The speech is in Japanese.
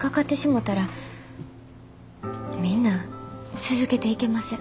みんな続けていけません。